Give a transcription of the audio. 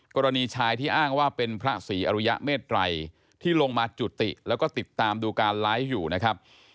กรณีชายที่อ้างว่าเป็นพระศรีอรุยะเมตรัยที่ลงมาจุติแล้วก็ติดตามดูการไลฟ์อยู่นะครับ